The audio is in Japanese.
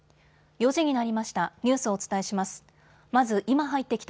４時になりました。